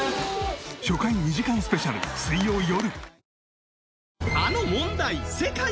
初回２時間スペシャル水曜よる。